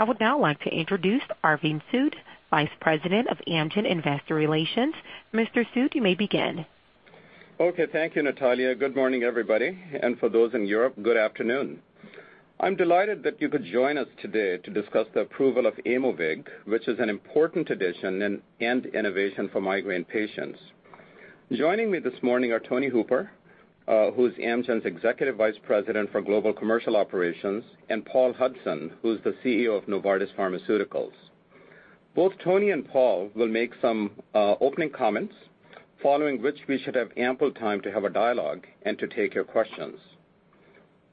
I would now like to introduce Arvind Sood, Vice President of Amgen Investor Relations. Mr. Sood, you may begin. Okay. Thank you, Natalia. Good morning, everybody, and for those in Europe, good afternoon. I'm delighted that you could join us today to discuss the approval of Aimovig, which is an important addition and innovation for migraine patients. Joining me this morning are Anthony Hooper, who's Amgen's Executive Vice President for Global Commercial Operations, and Paul Hudson, who's the CEO of Novartis Pharmaceuticals. Both Tony and Paul will make some opening comments, following which we should have ample time to have a dialogue and to take your questions.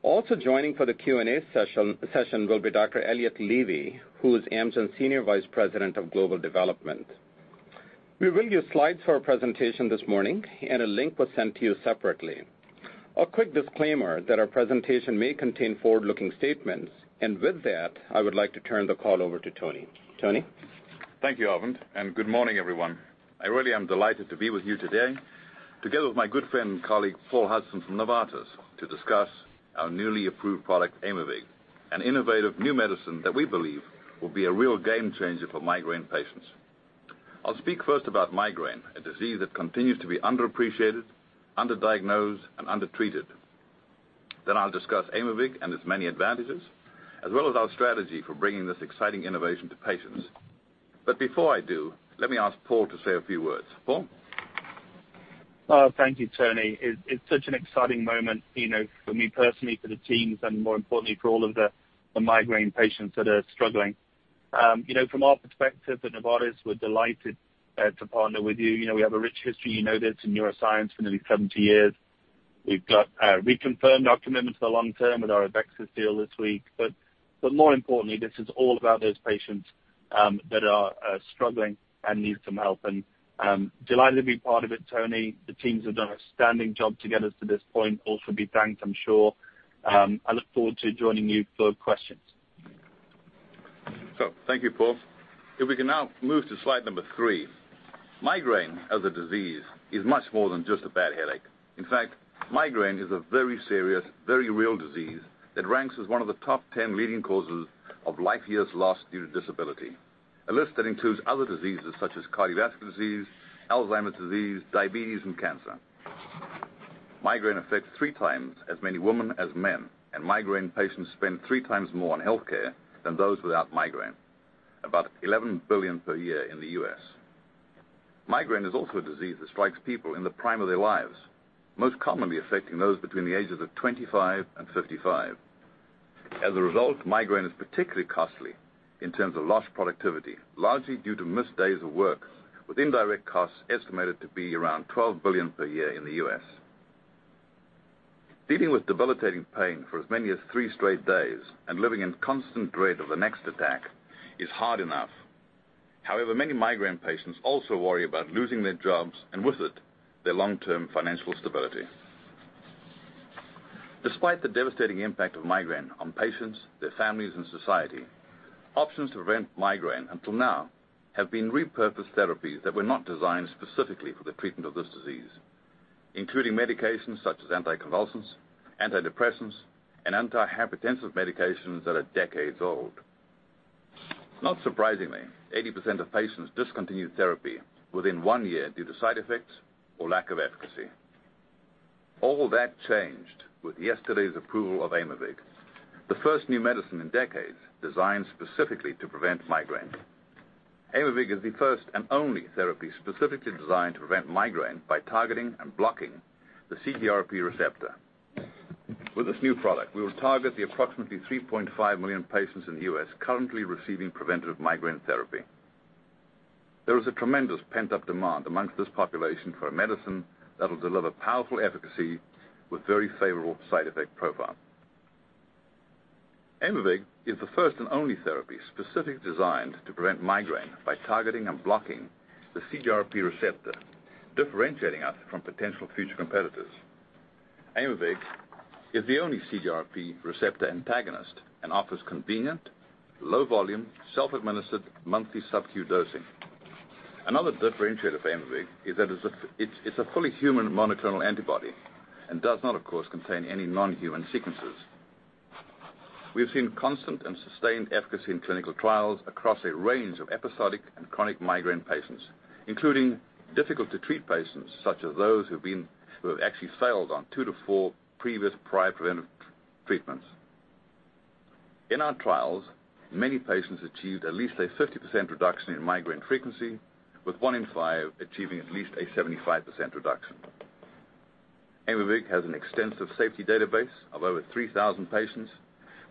Also joining for the Q&A session will be Dr. Elliott Levy, who is Amgen's Senior Vice President of Global Development. We will use slides for our presentation this morning, and a link was sent to you separately. A quick disclaimer that our presentation may contain forward-looking statements. With that, I would like to turn the call over to Tony. Tony? Thank you, Arvind, and good morning, everyone. I really am delighted to be with you today, together with my good friend and colleague, Paul Hudson from Novartis, to discuss our newly approved product, Aimovig, an innovative new medicine that we believe will be a real game changer for migraine patients. I'll speak first about migraine, a disease that continues to be underappreciated, underdiagnosed, and undertreated. I'll discuss Aimovig and its many advantages, as well as our strategy for bringing this exciting innovation to patients. Before I do, let me ask Paul to say a few words. Paul? Thank you, Tony. It's such an exciting moment for me personally, for the teams, and more importantly, for all of the migraine patients that are struggling. From our perspective at Novartis, we're delighted to partner with you. We have a rich history, you know this, in neuroscience for nearly 70 years. We've reconfirmed our commitment to the long term with our AveXis deal this week. More importantly, this is all about those patients that are struggling and need some help, and delighted to be part of it, Tony. The teams have done an outstanding job to get us to this point, also be thanked, I'm sure. I look forward to joining you for questions. Thank you, Paul. If we can now move to slide three. Migraine, as a disease, is much more than just a bad headache. In fact, migraine is a very serious, very real disease that ranks as one of the top 10 leading causes of life years lost due to disability. A list that includes other diseases such as cardiovascular disease, Alzheimer's disease, diabetes, and cancer. Migraine affects three times as many women as men, and migraine patients spend three times more on healthcare than those without migraine. About $11 billion per year in the U.S. Migraine is also a disease that strikes people in the prime of their lives, most commonly affecting those between the ages of 25 and 55. Migraine is particularly costly in terms of lost productivity, largely due to missed days of work, with indirect costs estimated to be around $12 billion per year in the U.S. Dealing with debilitating pain for as many as three straight days and living in constant dread of the next attack is hard enough. Many migraine patients also worry about losing their jobs, and with it, their long-term financial stability. Despite the devastating impact of migraine on patients, their families, and society, options to prevent migraine until now have been repurposed therapies that were not designed specifically for the treatment of this disease, including medications such as anticonvulsants, antidepressants, and antihypertensive medications that are decades old. 80% of patients discontinued therapy within one year due to side effects or lack of efficacy. All that changed with yesterday's approval of Aimovig, the first new medicine in decades designed specifically to prevent migraine. Aimovig is the first and only therapy specifically designed to prevent migraine by targeting and blocking the CGRP receptor. With this new product, we will target the approximately 3.5 million patients in the U.S. currently receiving preventative migraine therapy. There is a tremendous pent-up demand amongst this population for a medicine that will deliver powerful efficacy with very favorable side effect profile. Aimovig is the first and only therapy specifically designed to prevent migraine by targeting and blocking the CGRP receptor, differentiating us from potential future competitors. Aimovig is the only CGRP receptor antagonist and offers convenient, low volume, self-administered monthly sub-Q dosing. Another differentiator for Aimovig is that it's a fully human monoclonal antibody and does not, of course, contain any non-human sequences. We've seen constant and sustained efficacy in clinical trials across a range of episodic and chronic migraine patients, including difficult-to-treat patients, such as those who have actually failed on two to four previous prior preventive treatments. In our trials, many patients achieved at least a 50% reduction in migraine frequency, with one in five achieving at least a 75% reduction. Aimovig has an extensive safety database of over 3,000 patients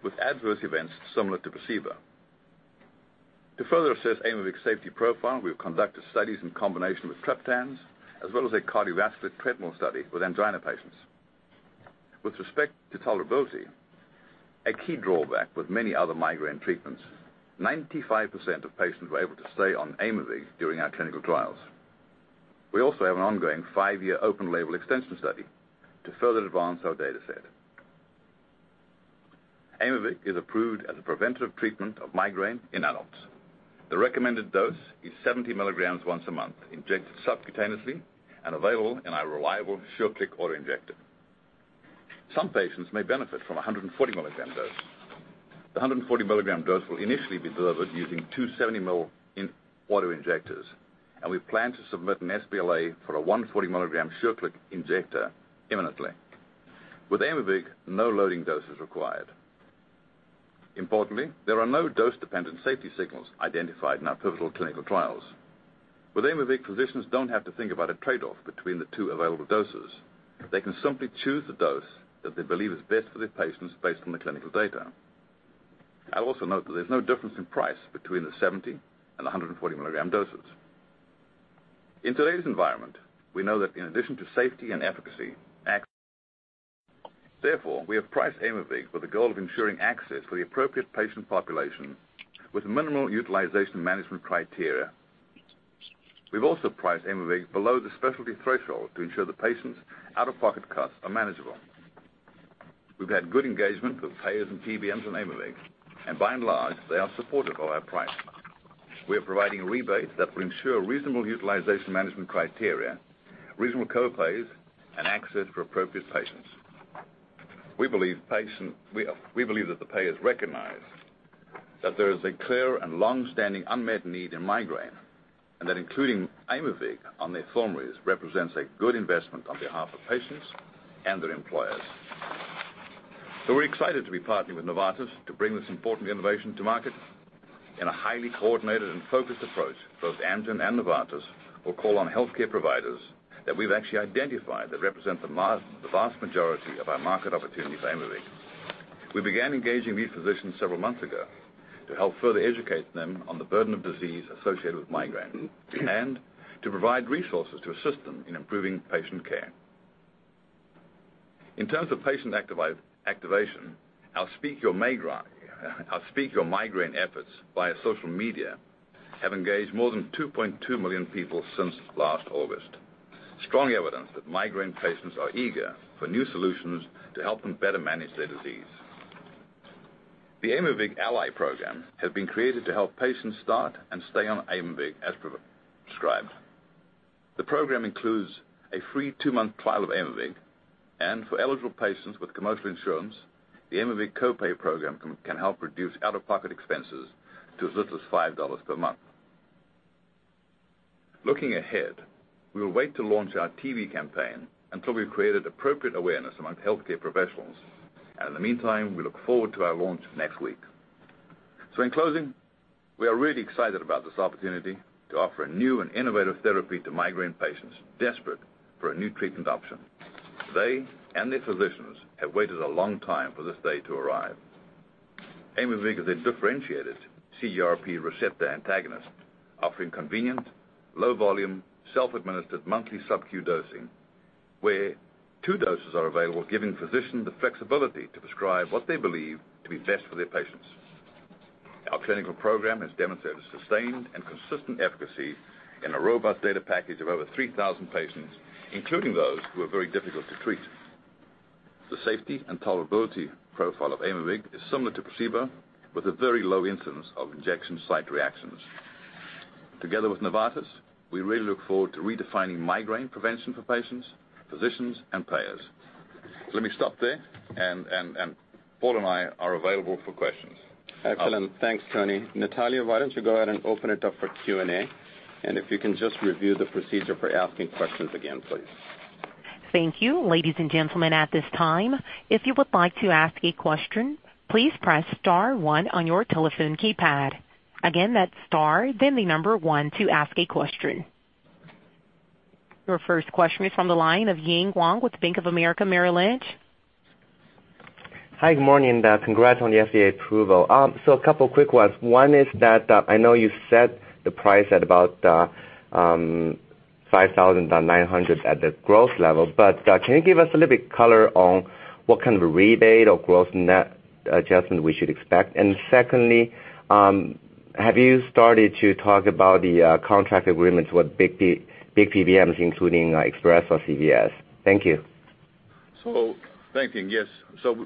with adverse events similar to placebo. To further assess Aimovig's safety profile, we've conducted studies in combination with triptans, as well as a cardiovascular treadmill study with angina patients. With respect to tolerability, a key drawback with many other migraine treatments, 95% of patients were able to stay on Aimovig during our clinical trials. We also have an ongoing five-year open label extension study to further advance our data set. Aimovig is approved as a preventative treatment of migraine in adults. The recommended dose is 70 milligrams once a month, injected subcutaneously and available in our reliable SureClick auto-injector. Some patients may benefit from 140 milligram dose. The 140 milligram dose will initially be delivered using two 70 mil auto-injectors, and we plan to submit an SBLA for a 140 milligram SureClick injector imminently. With Aimovig, no loading dose is required. Importantly, there are no dose-dependent safety signals identified in our pivotal clinical trials. With Aimovig, physicians don't have to think about a trade-off between the two available doses. They can simply choose the dose that they believe is best for their patients based on the clinical data. I also note that there's no difference in price between the 70 and 140 milligram doses. In today's environment, we know that in addition to safety and efficacy, access. We have priced Aimovig with the goal of ensuring access for the appropriate patient population with minimal utilization management criteria. We've also priced Aimovig below the specialty threshold to ensure that patients' out-of-pocket costs are manageable. We've had good engagement with payers and PBMs on Aimovig, and by and large, they are supportive of our price. We are providing rebates that will ensure reasonable utilization management criteria, reasonable co-pays, and access for appropriate patients. We believe that the payers recognize that there is a clear and longstanding unmet need in migraine, and that including Aimovig on their formularies represents a good investment on behalf of patients and their employers. We're excited to be partnering with Novartis to bring this important innovation to market in a highly coordinated and focused approach. Both Amgen and Novartis will call on healthcare providers that we've actually identified that represent the vast majority of our market opportunity for Aimovig. We began engaging these physicians several months ago to help further educate them on the burden of disease associated with migraine and to provide resources to assist them in improving patient care. In terms of patient activation, our Speak Your Migraine efforts via social media have engaged more than 2.2 million people since last August. Strong evidence that migraine patients are eager for new solutions to help them better manage their disease. The Aimovig Ally program has been created to help patients start and stay on Aimovig as prescribed. The program includes a free two-month trial of Aimovig, and for eligible patients with commercial insurance, the Aimovig co-pay program can help reduce out-of-pocket expenses to as little as $5 per month. Looking ahead, we will wait to launch our TV campaign until we've created appropriate awareness among healthcare professionals. In the meantime, we look forward to our launch next week. In closing, we are really excited about this opportunity to offer a new and innovative therapy to migraine patients desperate for a new treatment option. They and their physicians have waited a long time for this day to arrive. Aimovig is a differentiated CGRP receptor antagonist, offering convenient, low volume, self-administered monthly sub-Q dosing where two doses are available, giving physicians the flexibility to prescribe what they believe to be best for their patients. Our clinical program has demonstrated sustained and consistent efficacy in a robust data package of over 3,000 patients, including those who are very difficult to treat. The safety and tolerability profile of Aimovig is similar to placebo, with a very low incidence of injection site reactions. Together with Novartis, we really look forward to redefining migraine prevention for patients, physicians, and payers. Let me stop there and Paul and I are available for questions. Excellent. Thanks, Tony. Natalia, why don't you go ahead and open it up for Q&A, and if you can just review the procedure for asking questions again, please. Thank you. Ladies and gentlemen, at this time, if you would like to ask a question, please press star one on your telephone keypad. Again, that's star, then the number one to ask a question. Your first question is from the line of Ying Huang with Bank of America Merrill Lynch. Hi, good morning. Congrats on the FDA approval. A couple of quick ones. One is that I know you set the price at about $5,900 at the gross level, but can you give us a little bit color on what kind of rebate or growth net adjustment we should expect? Secondly, have you started to talk about the contract agreements with big PBMs, including Express or CVS? Thank you. Thank you. Yes.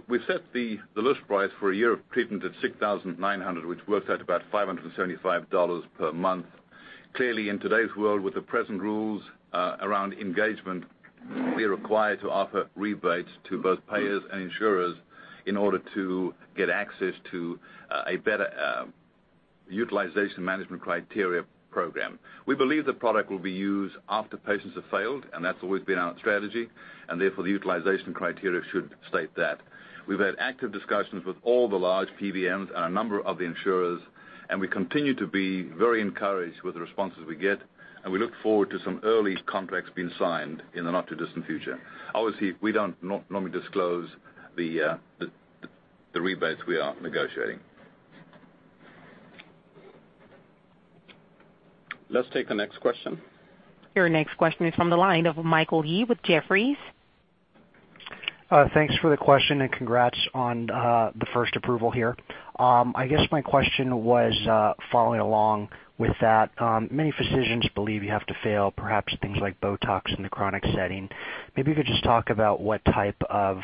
We set the list price for a year of treatment at $6,900, which works out about $575 per month. Clearly, in today's world, with the present rules around engagement, we are required to offer rebates to both payers and insurers in order to get access to a better utilization management criteria program. We believe the product will be used after patients have failed, and that's always been our strategy, and therefore, the utilization criteria should state that. We've had active discussions with all the large PBMs and a number of the insurers, and we continue to be very encouraged with the responses we get, and we look forward to some early contracts being signed in the not-too-distant future. Obviously, we don't normally disclose the rebates we are negotiating. Let's take the next question. Your next question is from the line of Michael Yee with Jefferies. Thanks for the question. Congrats on the first approval here. I guess my question was following along with that. Many physicians believe you have to fail, perhaps things like BOTOX in the chronic setting. Maybe you could just talk about what type of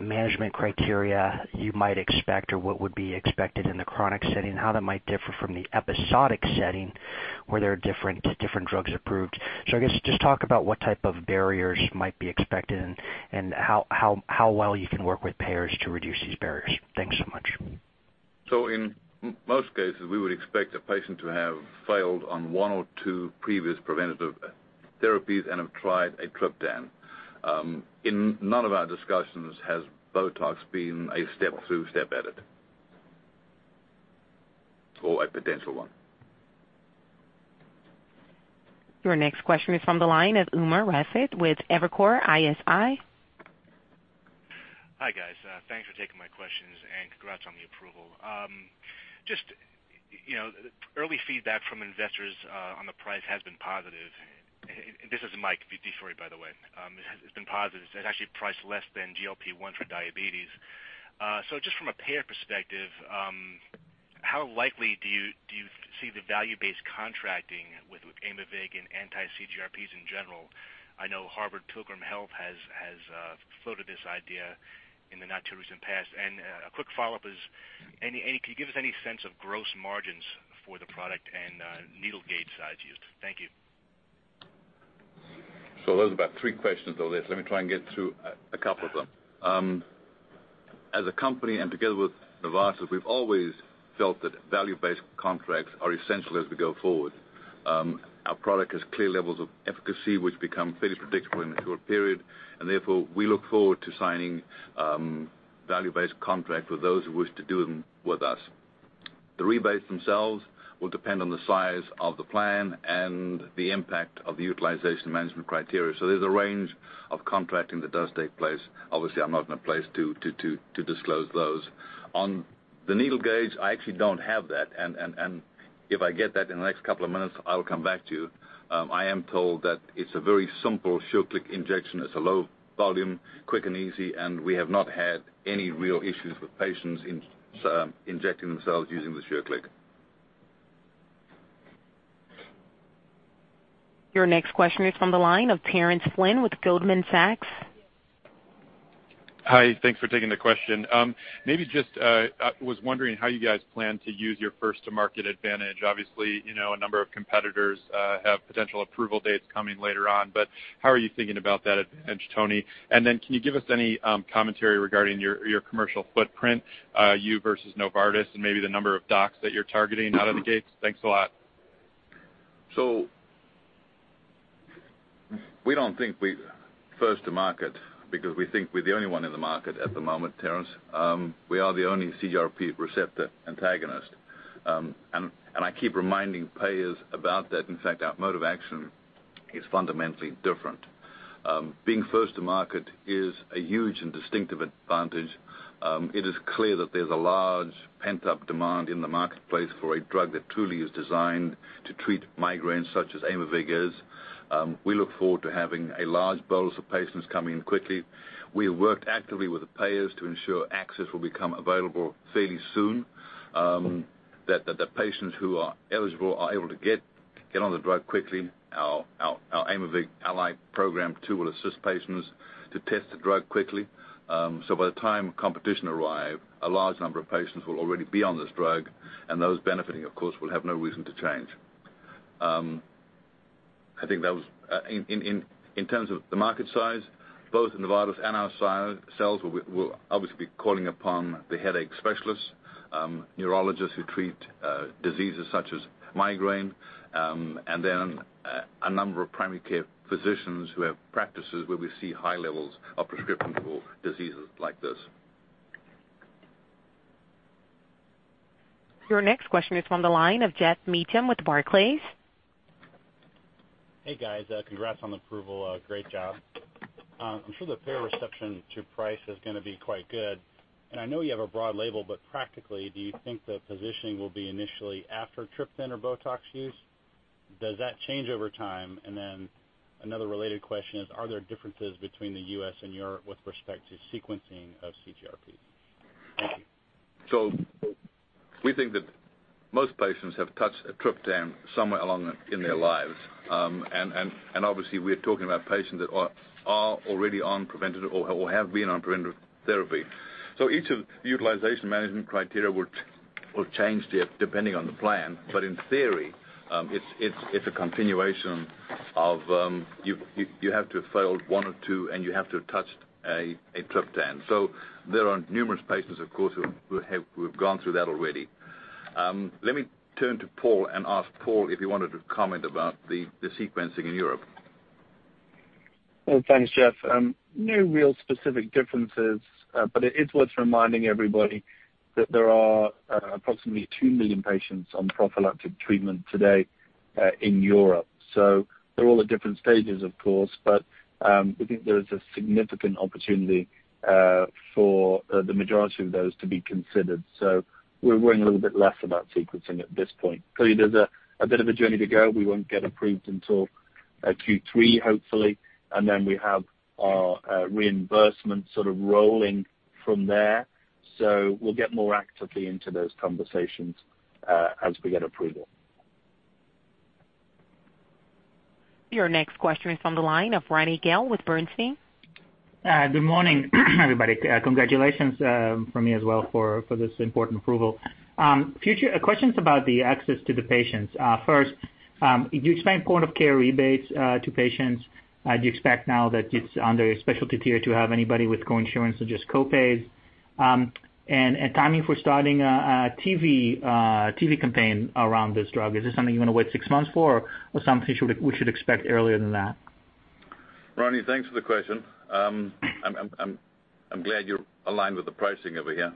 management criteria you might expect or what would be expected in the chronic setting, how that might differ from the episodic setting where there are different drugs approved. I guess just talk about what type of barriers might be expected and how well you can work with payers to reduce these barriers. Thanks so much. In most cases, we would expect a patient to have failed on one or two previous preventative therapies and have tried a triptan. In none of our discussions has BOTOX been a step through, step edit, or a potential one. Your next question is from the line of Umer Raffat with Evercore ISI. Hi, guys. Thanks for taking my questions, and congrats on the approval. Just early feedback from investors on the price has been positive. This is Mike Dufort, by the way. It's been positive. It's actually priced less than GLP-1 for diabetes. Just from a payer perspective, how likely do you see the value-based contracting with Aimovig and anti-CGRPs in general? I know Harvard Pilgrim Health Care has floated this idea in the not-too-recent past. A quick follow-up is, can you give us any sense of gross margins for the product and needle gauge size used? Thank you. Those are about three questions all there. Let me try and get through a couple of them. As a company and together with Novartis, we've always felt that value-based contracts are essential as we go forward. Our product has clear levels of efficacy, which become fairly predictable in the short period, and therefore, we look forward to signing value-based contracts with those who wish to do them with us. The rebates themselves will depend on the size of the plan and the impact of the utilization management criteria. There's a range of contracting that does take place. Obviously, I'm not in a place to disclose those. On the needle gauge, I actually don't have that, and if I get that in the next couple of minutes, I will come back to you. I am told that it's a very simple SureClick injection. It's a low volume, quick and easy, and we have not had any real issues with patients injecting themselves using the SureClick. Your next question is from the line of Terence Flynn with Goldman Sachs. Hi, thanks for taking the question. Maybe just was wondering how you guys plan to use your first-to-market advantage. Obviously, a number of competitors have potential approval dates coming later on, but how are you thinking about that advantage, Tony? Can you give us any commentary regarding your commercial footprint, you versus Novartis and maybe the number of docs that you're targeting out of the gates? Thanks a lot. We don't think we're first to market because we think we're the only one in the market at the moment, Terence. We are the only CGRP receptor antagonist. I keep reminding payers about that. In fact, our mode of action is fundamentally different. Being first to market is a huge and distinctive advantage. It is clear that there's a large pent-up demand in the marketplace for a drug that truly is designed to treat migraines such as Aimovig is. We look forward to having a large bolus of patients coming in quickly. We have worked actively with the payers to ensure access will become available fairly soon, that the patients who are eligible are able to get on the drug quickly. Our Aimovig Ally program, too, will assist patients to test the drug quickly. By the time competition arrive, a large number of patients will already be on this drug, and those benefiting, of course, will have no reason to change. In terms of the market size, both Novartis and ourselves will obviously be calling upon the headache specialists, neurologists who treat diseases such as migraine, and then a number of primary care physicians who have practices where we see high levels of prescription for diseases like this. Your next question is from the line of Geoffrey Meacham with Barclays. Hey, guys. Congrats on the approval. Great job. I'm sure the payer reception to price is going to be quite good. I know you have a broad label, but practically, do you think the positioning will be initially after triptan or BOTOX use? Does that change over time? Then another related question is, are there differences between the U.S. and Europe with respect to sequencing of CGRPs? Thank you. We think that most patients have touched a triptan somewhere along in their lives. Obviously, we're talking about patients that are already on preventative or have been on preventative therapy. Each of the utilization management criteria will change depending on the plan. In theory, it's a continuation of you have to have failed one or two, and you have to have touched a triptan. There are numerous patients, of course, who have gone through that already. Let me turn to Paul and ask Paul if he wanted to comment about the sequencing in Europe. Thanks, Jeff. No real specific differences. It is worth reminding everybody that there are approximately 2 million patients on prophylactic treatment today in Europe. They're all at different stages, of course, but we think there is a significant opportunity for the majority of those to be considered. We're worrying a little bit less about sequencing at this point. Clearly, there's a bit of a journey to go. We won't get approved until Q3, hopefully, and then we have our reimbursement sort of rolling from there. We'll get more actively into those conversations as we get approval. Your next question is from the line of Ronny Gal with Bernstein. Good morning everybody. Congratulations from me as well for this important approval. Questions about the access to the patients. First, do you expect point-of-care rebates to patients? Do you expect now that it's under a specialty tier to have anybody with co-insurance or just co-pays? Timing for starting a TV campaign around this drug. Is this something you want to wait 6 months for, or something we should expect earlier than that? Ronny, thanks for the question. I'm glad you're aligned with the pricing over here.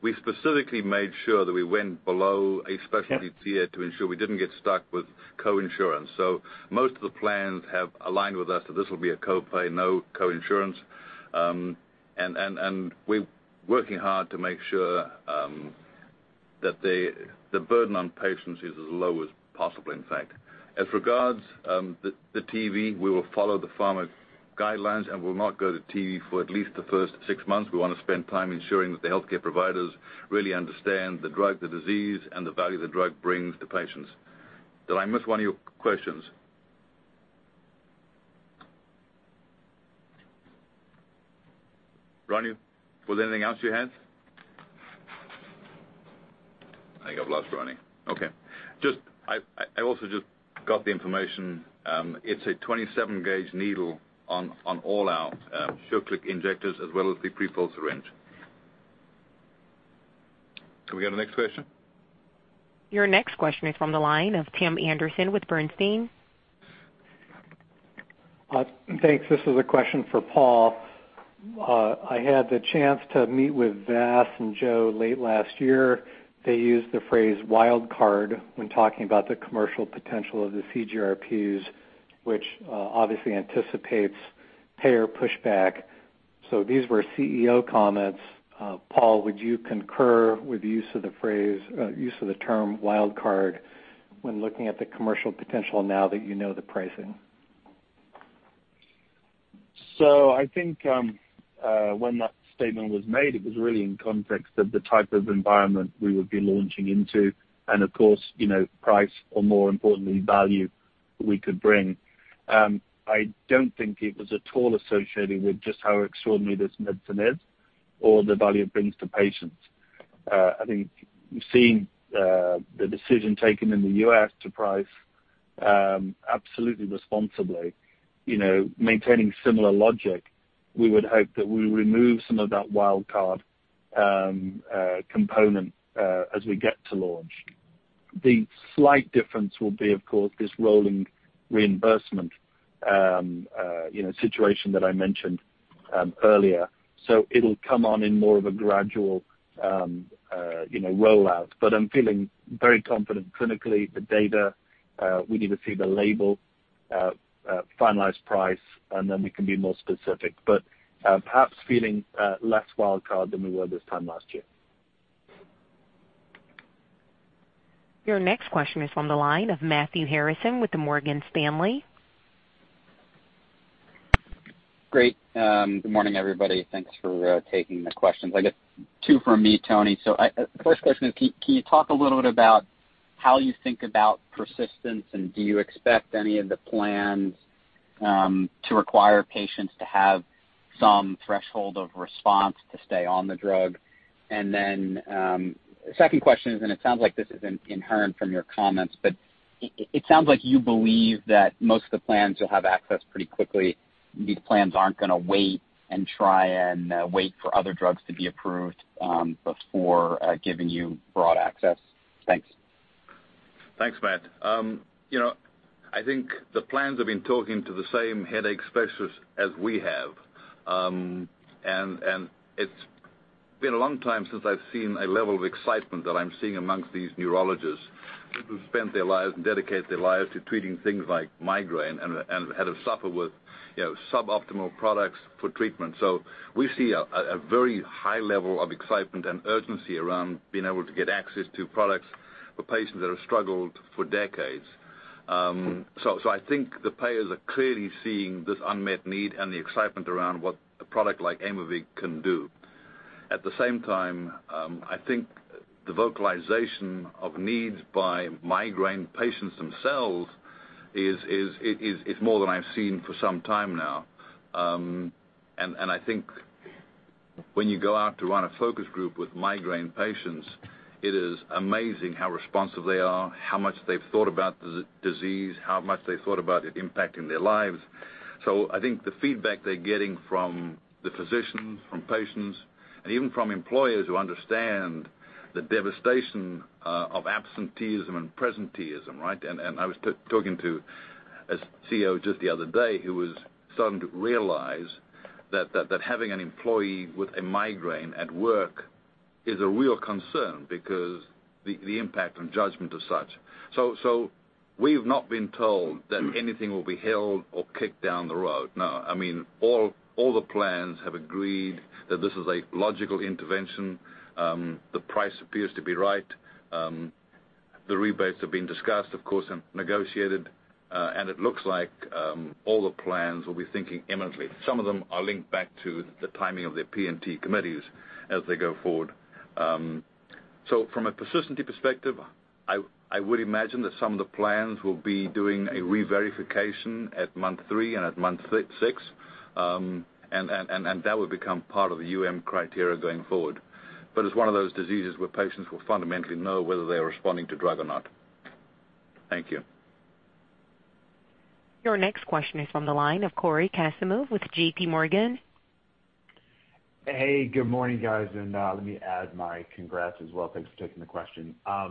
We specifically made sure that we went below a specialty tier to ensure we didn't get stuck with co-insurance. Most of the plans have aligned with us that this will be a co-pay, no co-insurance. We're working hard to make sure that the burden on patients is as low as possible, in fact. As regards the TV, we will follow the pharma guidelines and will not go to TV for at least the first 6 months. We want to spend time ensuring that the healthcare providers really understand the drug, the disease, and the value the drug brings to patients. Did I miss one of your questions? Ronny, was there anything else you had? I think I've lost Ronny. Okay. I also just got the information. It's a 27-gauge needle on all our SureClick injectors as well as the pre-filled syringe. Can we go to the next question? Your next question is from the line of Tim Anderson with Bernstein. Thanks. This is a question for Paul. I had the chance to meet with Vas and Joe late last year. They used the phrase wild card when talking about the commercial potential of the CGRPs, which obviously anticipates payer pushback. These were CEO comments. Paul, would you concur with use of the term wild card when looking at the commercial potential now that you know the pricing? I think when that statement was made, it was really in context of the type of environment we would be launching into. Of course, price or more importantly, value we could bring. I don't think it was at all associated with just how extraordinary this medicine is or the value it brings to patients. I think you've seen the decision taken in the U.S. to price absolutely responsibly. Maintaining similar logic, we would hope that we remove some of that wild card component as we get to launch. The slight difference will be, of course, this rolling reimbursement situation that I mentioned earlier. It'll come on in more of a gradual rollout. I'm feeling very confident clinically. The data, we need to see the label, finalized price, and then we can be more specific. Perhaps feeling less wild card than we were this time last year. Your next question is on the line of Matthew Harrison with Morgan Stanley. Great. Good morning, everybody. Thanks for taking the questions. I guess two from me, Tony. First question is, can you talk a little bit about how you think about persistence, and do you expect any of the plans to require patients to have some threshold of response to stay on the drug? Second question is, it sounds like this is inherent from your comments, it sounds like you believe that most of the plans will have access pretty quickly. These plans aren't going to wait and try and wait for other drugs to be approved before giving you broad access. Thanks. Thanks, Matt. I think the plans have been talking to the same headache specialists as we have. It's been a long time since I've seen a level of excitement that I'm seeing amongst these neurologists who've spent their lives and dedicated their lives to treating things like migraine and had to suffer with suboptimal products for treatment. We see a very high level of excitement and urgency around being able to get access to products for patients that have struggled for decades. I think the payers are clearly seeing this unmet need and the excitement around what a product like Aimovig can do. At the same time, I think the vocalization of needs by migraine patients themselves is more than I've seen for some time now. I think when you go out to run a focus group with migraine patients, it is amazing how responsive they are, how much they've thought about the disease, how much they've thought about it impacting their lives. I think the feedback they're getting from the physicians, from patients, and even from employers who understand the devastation of absenteeism and presenteeism. I was talking to a CEO just the other day who was starting to realize that having an employee with a migraine at work is a real concern because the impact on judgment is such. We've not been told that anything will be held or kicked down the road. No. All the plans have agreed that this is a logical intervention. The price appears to be right. The rebates have been discussed, of course, and negotiated. It looks like all the plans will be thinking similarly. Some of them are linked back to the timing of their P&T committees as they go forward. From a persistency perspective, I would imagine that some of the plans will be doing a reverification at month 3 and at month 6. That will become part of the UM criteria going forward. It's one of those diseases where patients will fundamentally know whether they're responding to drug or not. Thank you. Your next question is from the line of Cory Kasimov with J.P. Morgan. Hey, good morning, guys, and let me add my congrats as well. Thanks for taking the question. I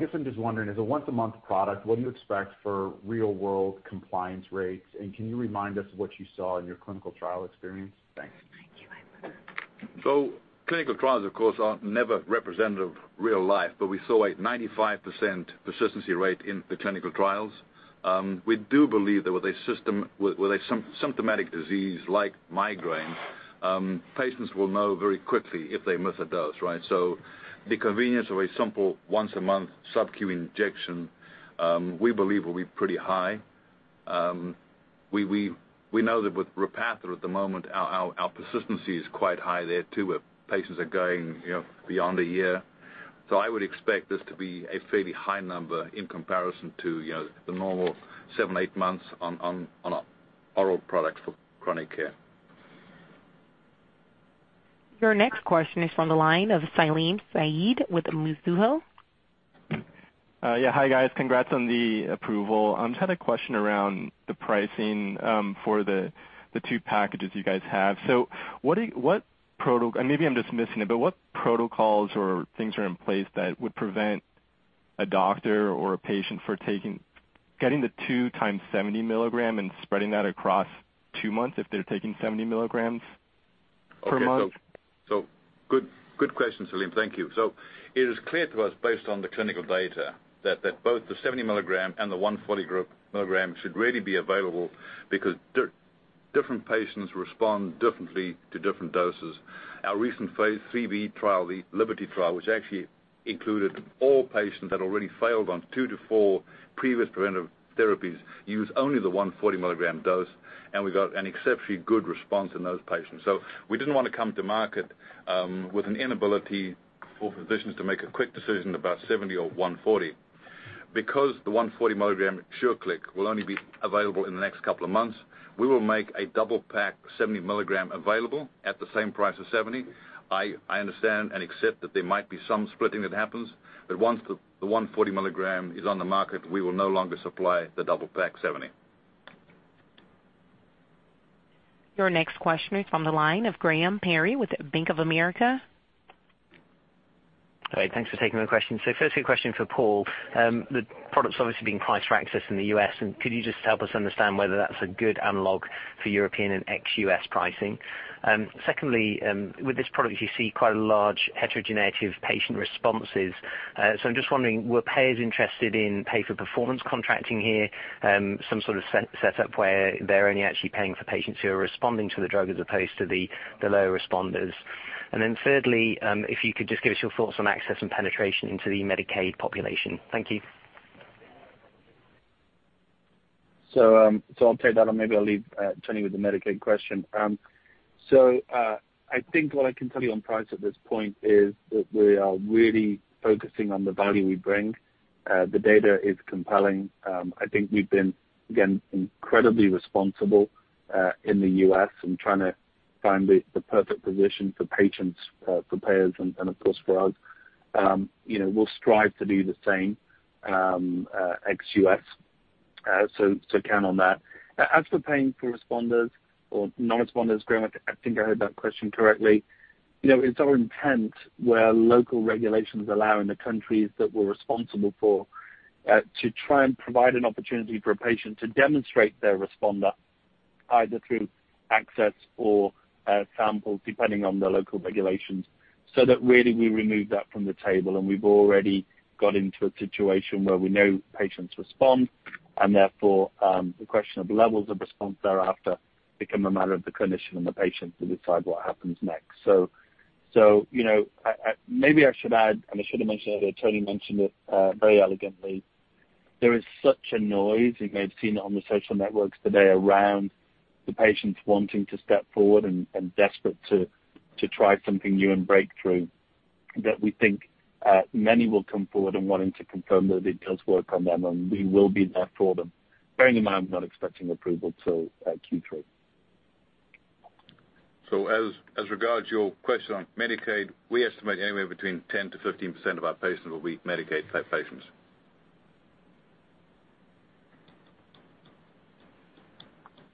guess I'm just wondering, as a once-a-month product, what do you expect for real-world compliance rates? Can you remind us what you saw in your clinical trial experience? Thanks. Thank you. I will. Clinical trials, of course, are never representative of real life. We saw a 95% persistency rate in the clinical trials. We do believe that with a symptomatic disease like migraine, patients will know very quickly if they miss a dose, right? The convenience of a simple once-a-month sub-Q injection, we believe will be pretty high. We know that with Repatha, at the moment, our persistency is quite high there, too, with patients are going beyond a year. I would expect this to be a fairly high number in comparison to the normal seven, eight months on oral products for chronic care. Your next question is from the line of Salim Syed with Mizuho. Yeah. Hi, guys. Congrats on the approval. Just had a question around the pricing for the 2 packages you guys have. And maybe I'm just missing it, but what protocols or things are in place that would prevent a doctor or a patient from getting the 2 times 70 milligram and spreading that across 2 months if they're taking 70 milligrams per month? Good question, Salim. Thank you. It is clear to us, based on the clinical data, that both the 70 milligram and the 140 milligram should really be available because different patients respond differently to different doses. Our recent phase IIIb trial, the LIBERTY trial, which actually included all patients that already failed on two to four previous preventive therapies, used only the 140 milligram dose, and we got an exceptionally good response in those patients. We didn't want to come to market with an inability for physicians to make a quick decision about 70 or 140. The 140 milligram SureClick will only be available in the next couple of months, we will make a double-pack 70 milligram available at the same price as 70. I understand and accept that there might be some splitting that happens, but once the 140 milligram is on the market, we will no longer supply the double-pack 70. Your next question is from the line of Graham Parry with Bank of America. Thanks for taking my question. Firstly, a question for Paul. The product's obviously being priced for access in the U.S., and could you just help us understand whether that's a good analog for European and ex-U.S. pricing? Secondly, with this product, you see quite a large heterogeneity of patient responses. I'm just wondering, were payers interested in pay-for-performance contracting here? Some sort of setup where they're only actually paying for patients who are responding to the drug as opposed to the low responders. Thirdly, if you could just give us your thoughts on access and penetration into the Medicaid population. Thank you. I'll take that and maybe I'll leave Tony with the Medicaid question. I think what I can tell you on price at this point is that we are really focusing on the value we bring. The data is compelling. I think we've been, again, incredibly responsible in the U.S. in trying to find the perfect position for patients, for payers, and of course, for us. We'll strive to do the same ex-U.S. Count on that. As for paying for responders or non-responders, Graham, I think I heard that question correctly. It's our intent, where local regulations allow in the countries that we're responsible for, to try and provide an opportunity for a patient to demonstrate they're a responder either through access or samples, depending on the local regulations. That really we remove that from the table, and we've already got into a situation where we know patients respond, and therefore, the question of levels of response thereafter become a matter of the clinician and the patient to decide what happens next. Maybe I should add, and I should have mentioned earlier, Tony mentioned it very elegantly. There is such a noise, you may have seen it on the social networks today, around the patients wanting to step forward and desperate to try something new and breakthrough, that we think many will come forward in wanting to confirm that it does work on them, and we will be there for them, bearing in mind I'm not expecting approval till Q3. As regards your question on Medicaid, we estimate anywhere between 10%-15% of our patients will be Medicaid-type patients.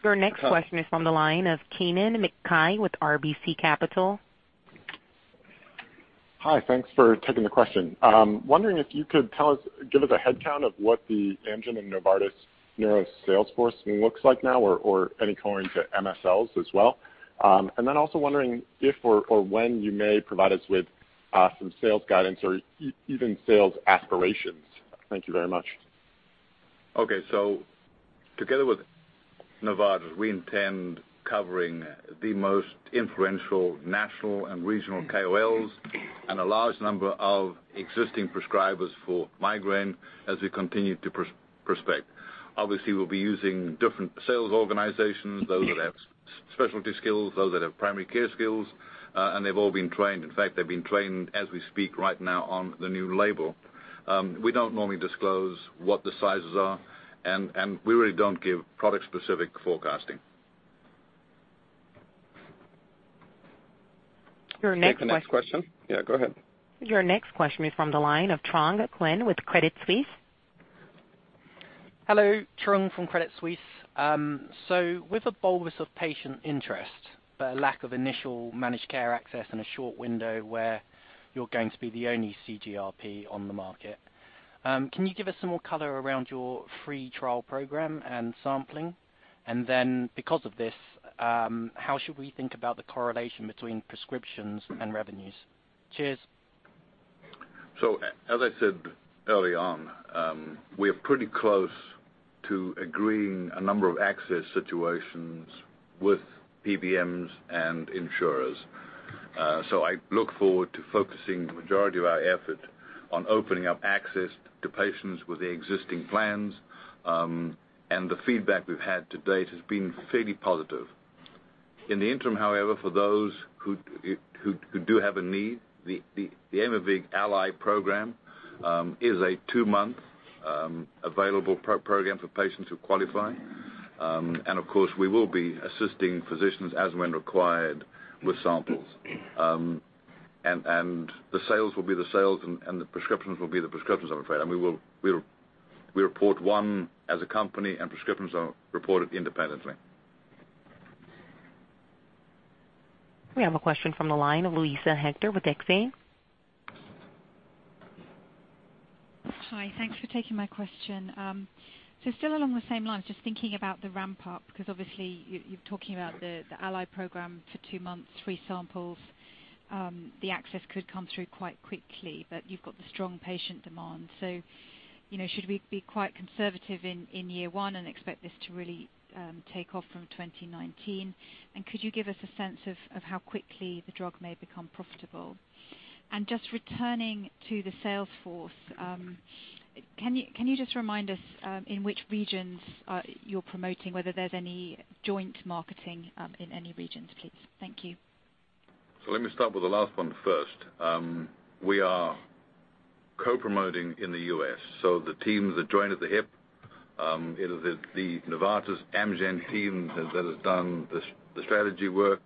Your next question is on the line of Kennen MacKay with RBC Capital. Hi. Thanks for taking the question. Wondering if you could give us a head count of what the Amgen and Novartis Neuro sales force looks like now or any coloring to MSLs as well. Also wondering if or when you may provide us with some sales guidance or even sales aspirations. Thank you very much. Okay. Together with Novartis, we intend covering the most influential national and regional KOLs and a large number of existing prescribers for migraine as we continue to prospect. Obviously, we'll be using different sales organizations, those that have specialty skills, those that have primary care skills, and they've all been trained. In fact, they've been trained, as we speak right now, on the new label. We don't normally disclose what the sizes are, and we really don't give product-specific forecasting. Your next question. Take the next question. Yeah, go ahead. Your next question is from the line of Trung Nguyen with Credit Suisse. Hello. Trung from Credit Suisse. With a bolus of patient interest, but a lack of initial managed care access and a short window where you're going to be the only CGRP on the market, can you give us some more color around your free trial program and sampling? Because of this, how should we think about the correlation between prescriptions and revenues? Cheers. As I said early on, we're pretty close to agreeing a number of access situations with PBMs and insurers. I look forward to focusing the majority of our effort on opening up access to patients with the existing plans. The feedback we've had to date has been fairly positive. In the interim, however, for those who do have a need, the Aimovig Ally program is a two-month available program for patients who qualify. Of course, we will be assisting physicians as when required with samples. The sales will be the sales, and the prescriptions will be the prescriptions, I'm afraid. We will report one as a company, and prescriptions are reported independently. We have a question from the line of Luisa Hector with Exane. Hi. Thanks for taking my question. Still along the same lines, just thinking about the ramp-up, because obviously you're talking about the Aimovig Ally program for two months, free samples. The access could come through quite quickly, but you've got the strong patient demand. Should we be quite conservative in year one and expect this to really take off from 2019? Could you give us a sense of how quickly the drug may become profitable? Just returning to the sales force, can you just remind us in which regions you're promoting, whether there's any joint marketing in any regions, please? Thank you. Let me start with the last one first. We are co-promoting in the U.S., so the teams are joined at the hip. It is the Novartis Amgen team that has done the strategy work,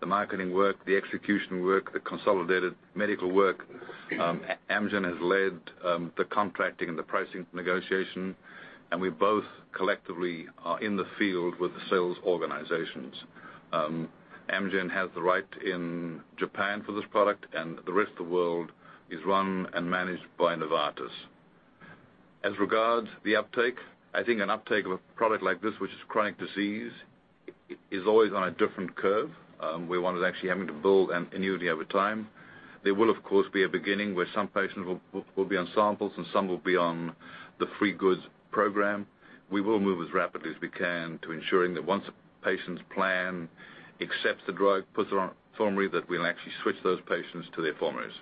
the marketing work, the execution work, the consolidated medical work. Amgen has led the contracting and the pricing negotiation. We both collectively are in the field with the sales organizations. Amgen has the right in Japan for this product, and the rest of the world is run and managed by Novartis. As regards the uptake, I think an uptake of a product like this, which is chronic disease, is always on a different curve, where one is actually having to build an annuity over time. There will, of course, be a beginning where some patients will be on samples and some will be on the free goods program. We will move as rapidly as we can to ensuring that once a patient's plan accepts the drug, puts it on formulary, that we'll actually switch those patients to their formularies.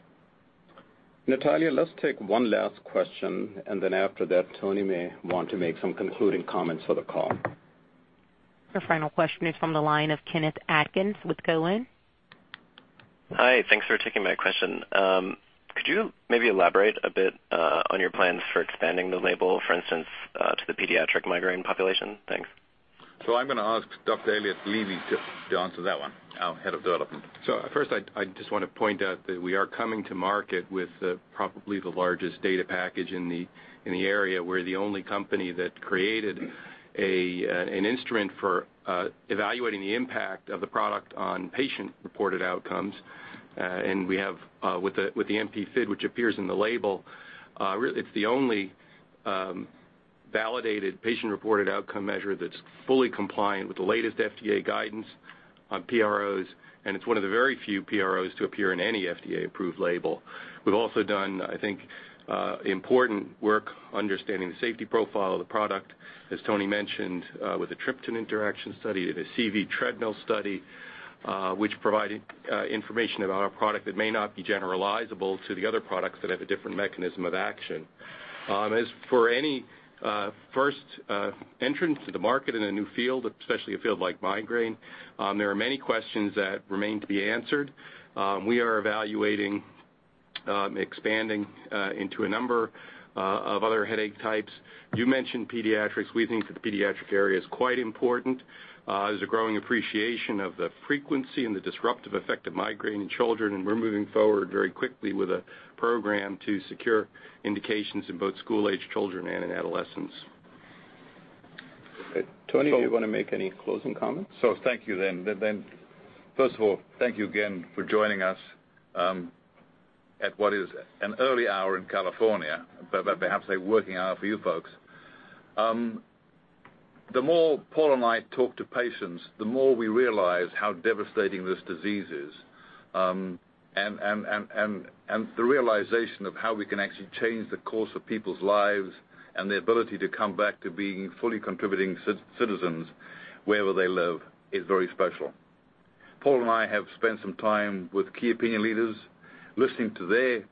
Natalia, let's take one last question. After that, Tony may want to make some concluding comments for the call. The final question is from the line of Ken Atkins with Cowen. Hi. Thanks for taking my question. Could you maybe elaborate a bit on your plans for expanding the label, for instance, to the pediatric migraine population? Thanks. I'm going to ask Dr. Elliott Levy to answer that one, our head of development. First, I just want to point out that we are coming to market with probably the largest data package in the area. We're the only company that created an instrument for evaluating the impact of the product on patient-reported outcomes. We have with the MPFID, which appears in the label, it's the only validated patient-reported outcome measure that's fully compliant with the latest FDA guidance on PROs, and it's one of the very few PROs to appear in any FDA-approved label. We've also done, I think, important work understanding the safety profile of the product, as Anthony mentioned, with a triptan interaction study and a CV treadmill study which provided information about our product that may not be generalizable to the other products that have a different mechanism of action. As for any first entrance to the market in a new field, especially a field like migraine, there are many questions that remain to be answered. We are evaluating expanding into a number of other headache types. You mentioned pediatrics. We think that the pediatric area is quite important. There's a growing appreciation of the frequency and the disruptive effect of migraine in children, and we're moving forward very quickly with a program to secure indications in both school-aged children and in adolescents. Tony, do you want to make any closing comments? Thank you then. First of all, thank you again for joining us at what is an early hour in California, but perhaps a working hour for you folks. The more Paul and I talk to patients, the more we realize how devastating this disease is. The realization of how we can actually change the course of people's lives and the ability to come back to being fully contributing citizens wherever they live is very special. Paul and I have spent some time with key opinion leaders, listening to their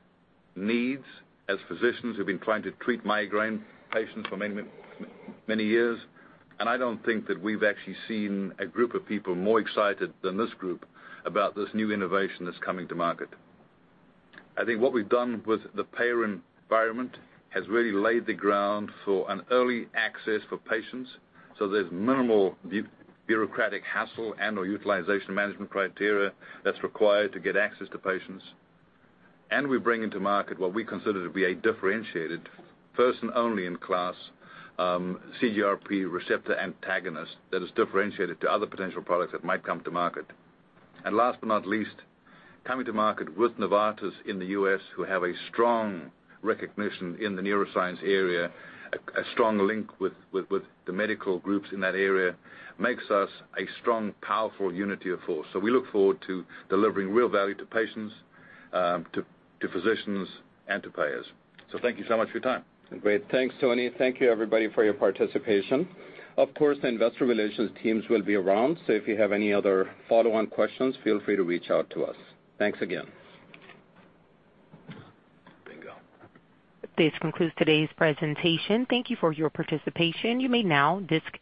needs as physicians who've been trying to treat migraine patients for many years, and I don't think that we've actually seen a group of people more excited than this group about this new innovation that's coming to market. I think what we've done with the payer environment has really laid the ground for an early access for patients. There's minimal bureaucratic hassle and/or utilization management criteria that's required to get access to patients. We bring into market what we consider to be a differentiated first and only in class CGRP receptor antagonist that is differentiated to other potential products that might come to market. Last but not least, coming to market with Novartis in the U.S., who have a strong recognition in the neuroscience area, a strong link with the medical groups in that area, makes us a strong, powerful unity of force. We look forward to delivering real value to patients, to physicians, and to payers. Thank you so much for your time. Great. Thanks, Tony. Thank you, everybody, for your participation. Of course, the investor relations teams will be around, if you have any other follow-on questions, feel free to reach out to us. Thanks again. Bingo. This concludes today's presentation. Thank you for your participation. You may now disconnect.